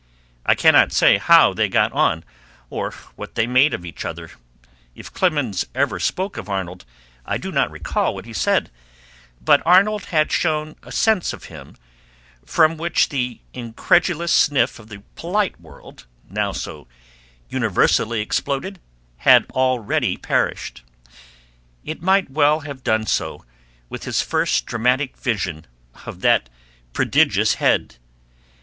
I cannot say how they got on, or what they made of each other; if Clemens ever spoke of Arnold, I do not recall what he said, but Arnold had shown a sense of him from which the incredulous sniff of the polite world, now so universally exploded, had already perished. It might well have done so with his first dramatic vision of that prodigious head.